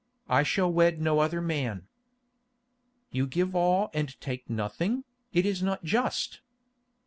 I shall wed no other man." "You give all and take nothing; it is not just."